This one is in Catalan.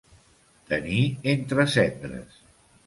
Tenir entre cendres.